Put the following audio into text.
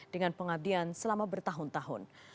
dengan pengabdian selama bertahun tahun